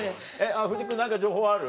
藤木君何か情報ある？